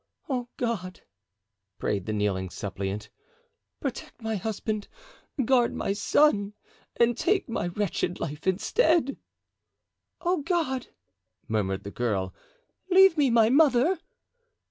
"Oh, God!" prayed the kneeling suppliant, "protect my husband, guard my son, and take my wretched life instead!" "Oh, God!" murmured the girl, "leave me my mother!"